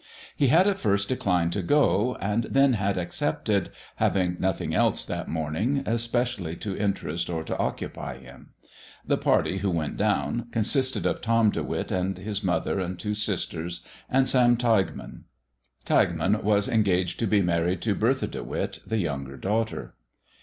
He had at first declined to go, and then had accepted, having nothing else that morning especially to interest or to occupy him. The party who went down consisted of Tom De Witt and his mother and two sisters and Sam Tilghman. Tilghman was engaged to be married to Bertha De Witt, the younger daughter.